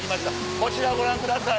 こちらご覧ください。